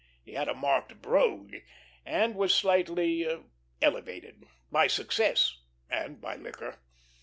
He had a marked brogue, and was slightly "elevated," by success and by liquor.